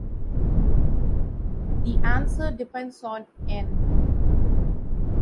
The answer depends on "n".